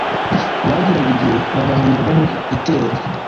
bagiraga igihe bagahangirwaho iterero.